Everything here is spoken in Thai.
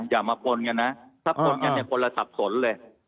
อย่ามาปนกันนะถ้าปนกันเนี่ยคนละสับสนเลย